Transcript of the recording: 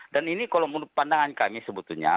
dan ini kalau menurut pandangan kami sebetulnya